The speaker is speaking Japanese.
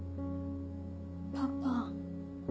パパ。